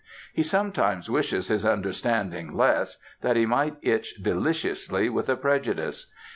He sometimes wishes his understanding less, that he might itch deliciously with a prejudice.